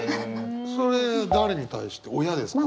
それ誰に対して親ですか？